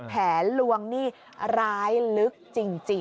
แผลลวงร้ายลึกจริง